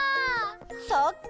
そっか！